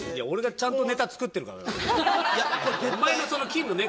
俺がちゃんとネタ作ってるから。